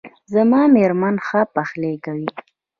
زما میرمن ښه پخلی کوي